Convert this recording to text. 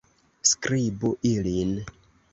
Skribu ilin.